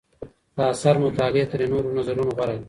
د اثر مطالعه تر نورو نظرونو غوره ده.